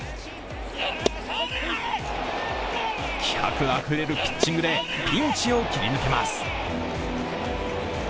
気迫あふれるピッチングでピンチを切り抜けます。